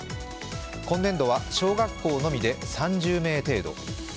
今年度は小学校のみで３０名程度。